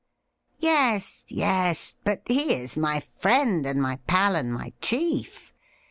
' Yes — ^yes ; but he is my friend and my pal and my chief.